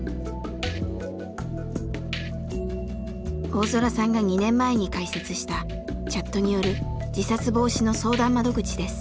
大空さんが２年前に開設したチャットによる自殺防止の相談窓口です。